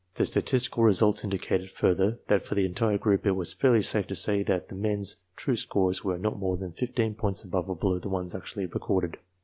The statistical results indicated further that for the entire group it was fairly safe to say that the men's true scores were not more than fifteen points above or below the ones actually recorded.